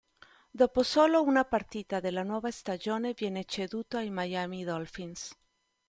Dopo solo una partita della nuova stagione viene ceduto ai Miami Dolphins.